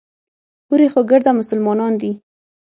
هورې خو ګرده مسلمانان دي.